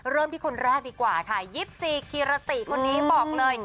เริ่มที่คนแรกดีกว่าค่ะ๒๔คีรติคนนี้บอกเลย